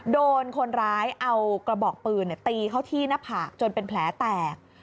โดนคนร้ายเอากระบอกปืนตีเข้าที่หน้าผากจนเป็นแผลแตก